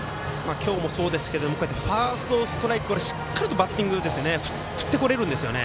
今日もそうですがこうやってファーストストライクしっかりバッティング振ってこれるんですよね。